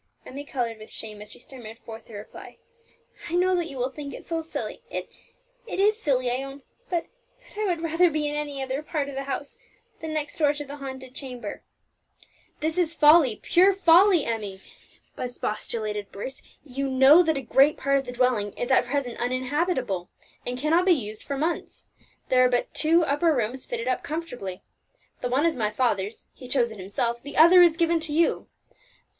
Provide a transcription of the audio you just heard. Emmie coloured with shame as she stammered forth her reply. "I know that you will think it so silly it it is silly, I own, but but I would rather be in any other part of the house than next door to the haunted chamber!" "This is folly, Emmie, pure folly," expostulated Bruce. "You know that a great part of the dwelling is at present uninhabitable, and cannot be used for months. There are but two upper rooms fitted up comfortably; the one is my father's he chose it himself; the other is given to you.